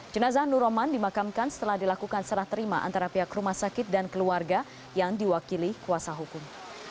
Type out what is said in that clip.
jenazah nur roman dimakamkan setelah dilakukan serah terima antara pihak rumah sakit dan keluarga yang diwakili kuasa hukum